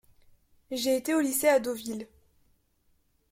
J'ai été au lycée à Deauville.